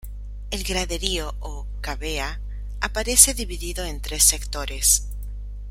El graderío, o "cavea", aparece dividido en tres sectores.